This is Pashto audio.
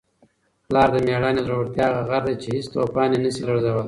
پلار د مېړانې او زړورتیا هغه غر دی چي هیڅ توپان یې نسي لړزولی.